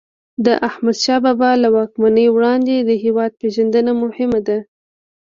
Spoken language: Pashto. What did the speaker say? د احمدشاه بابا له واکمنۍ وړاندې د هیواد پېژندنه مهم ده.